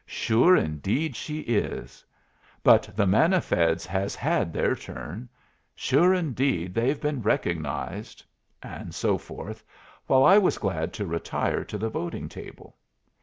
"Sure indeed she is!" "But the manna feds has had their turn." "Sure indeed they've been recognized," and so forth, while I was glad to retire to the voting table.